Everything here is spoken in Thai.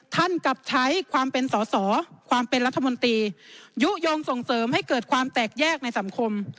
กลับใช้ความเป็นสอสอความเป็นรัฐมนตรียุโยงส่งเสริมให้เกิดความแตกแยกในสังคม